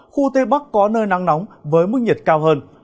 khu tây bắc có nơi nắng nóng với mức nhiệt cao hơn